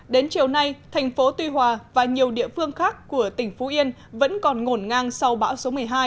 đến chiều nay thành phố tuy hòa và nhiều địa phương khác của tỉnh phú yên vẫn còn ngổn ngang sau bão số một mươi hai